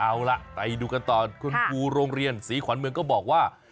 เอาล่ะไปดูกันต่อคุณครูโรงเรียนศรีขวัญเมืองก็บอกว่า